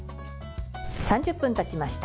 ３０分たちました。